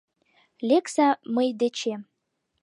Лекса мый дечем.